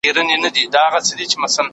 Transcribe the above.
مخکي، موږ د شتمنیو د تنوع په اړه خبري کولې.